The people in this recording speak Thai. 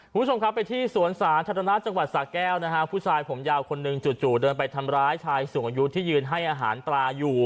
คุณผู้ชมครับไปที่สวนสาธารณะจังหวัดสาแก้วนะฮะผู้ชายผมยาวคนหนึ่งจู่เดินไปทำร้ายชายสูงอายุที่ยืนให้อาหารปลาอยู่